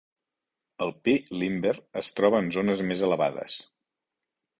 El pi Limber es troba en zones més elevades.